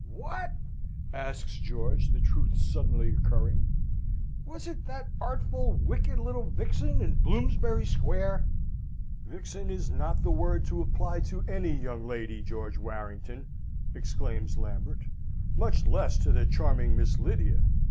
"What?" asks George, the truth suddenly occurring. "Was it that artful, wicked little vixen in Bloomsbury Square?" "Vixen is not the word to apply to any young lady, George Warrington!" exclaims Lambert, "much less to the charming Miss Lydia.